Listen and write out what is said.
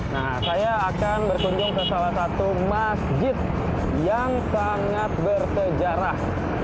nah saya akan berkunjung ke salah satu masjid yang sangat bersejarah